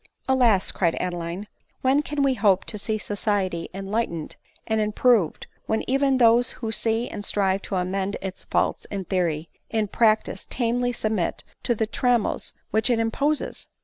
tt Alas !" cried Adeline, " when can we hope to see society enlightened and improved, when even those who see and strive to amend its faults in theory, in practice tamely submit to the trammels which it imposes